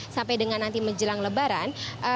sampai dengan nanti menjelang lebaran